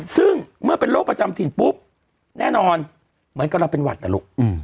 ซึ่งเมื่อเป็นโรคประจำถิ่นปุ๊บแน่นอนเหมือนกับเราเป็นหวัดนะลูก